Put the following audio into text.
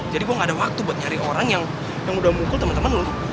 jadi gue gak ada waktu buat nyari orang yang udah mukul temen temen lo